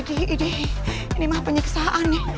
ini mah penyiksaan nih